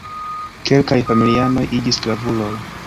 Kelkaj familianoj iĝis gravuloj.